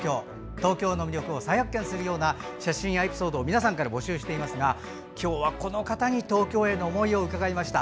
東京の魅力を再発見できるような写真やエピソードを募集していますが今日この方に東京への思いを伺いました。